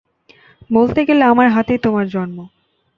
বলতে গেলে আমার হাতেই তোমার জন্ম।